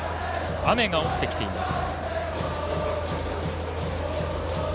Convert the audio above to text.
雨が落ちてきています。